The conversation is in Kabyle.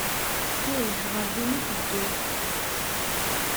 Ih, ɣer din i tedduɣ.